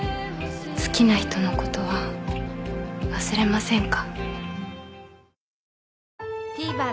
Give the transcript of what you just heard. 好きな人のことは忘れませんか？